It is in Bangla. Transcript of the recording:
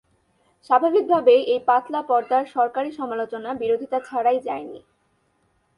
স্বাভাবিকভাবেই, এই পাতলা পর্দার সরকারী সমালোচনা বিরোধিতা ছাড়াই যায়নি।